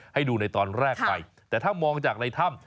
ให้ดูในตอนแรกไปแต่ถ้ามองจากในถ้ำ